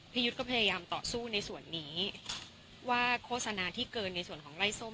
ยุทธก็พยายามต่อสู้ในส่วนนี้ว่าโฆษณาที่เกินในส่วนของไล่ส้ม